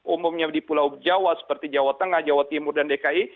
umumnya di pulau jawa seperti jawa tengah jawa timur dan dki